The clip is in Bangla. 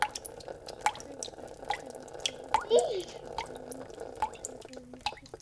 বেসরকারি একাধিক টিভির খবর দেখে স্বপনের মৃত্যুর বিষয়ে তাঁরা নিশ্চিত হন।